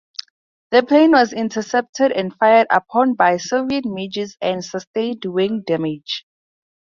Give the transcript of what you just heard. The plane was intercepted and fired upon by Soviet MiGs and sustained wing damage.